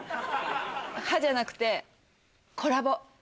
「は？」じゃなくてコラボ。